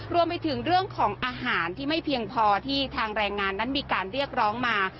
รวมไปถึงเรื่องของอาหารที่ไม่เพียงพอที่ทางแรงงานนั้นมีการเรียกร้องมา